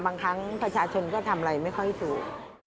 บางครั้งประชาชนก็ทำอะไรไม่ค่อยถูก